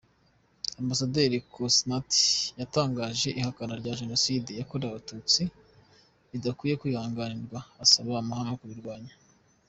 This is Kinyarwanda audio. Ambasaderi Nkosinati yatangaje ihakana rya Jenoside yakorewe Abatutsi ridakwiye kwihanganirwa, asaba amahanga kubirwanya.